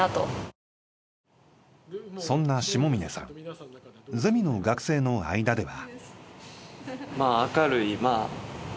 そんな下峰さんゼミの学生の間では。